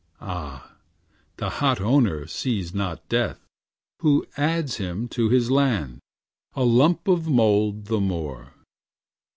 Ah! the hot owner sees not Death, who adds Him to his land, a lump of mould the more.